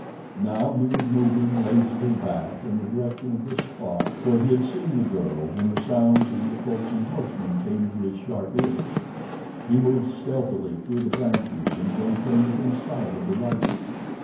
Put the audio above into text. Now he was moving lazily back in the direction of the spot where he had seen the girl when the sounds of the approaching horsemen came to his sharp ears. He moved stealthily through the branches until he came within sight of the riders.